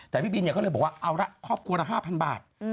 แต่พี่บินก็เลยบอกว่าเอาละครอบครัวละ๕๐๐บาท